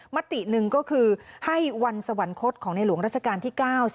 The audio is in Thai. มติหนึ่งก็คือให้วันสวรรคตของในหลวงราชการที่๙